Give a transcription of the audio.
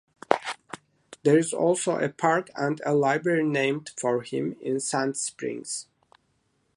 There is also a park and a library named for him in Sand Springs.